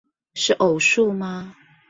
是偶數嗎